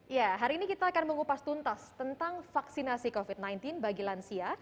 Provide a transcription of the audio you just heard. ya hari ini kita akan mengupas tuntas tentang vaksinasi covid sembilan belas bagi lansia